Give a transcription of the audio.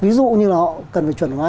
ví dụ như là họ cần phải chuẩn hóa